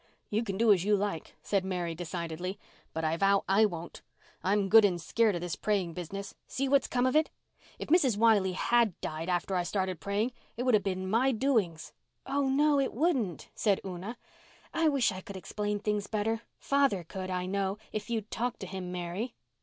"You can do as you like," said Mary decidedly, "but I vow I won't. I'm good and scared of this praying business. See what's come of it. If Mrs. Wiley had died after I started praying it would have been my doings." "Oh, no, it wouldn't," said Una. "I wish I could explain things better—father could, I know, if you'd talk to him, Mary."